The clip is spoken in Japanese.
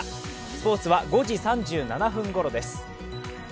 スポーツは５時３７分ごろです。